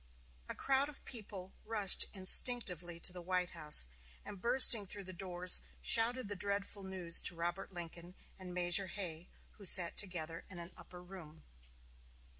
A crowd of people rushed instinctively to the White House, and, bursting through the doors, shouted the dreadful news to Robert Lincoln and Major Hay, who sat together in an upper room.